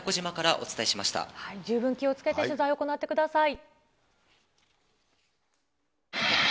十分気をつけて取材を行ってください。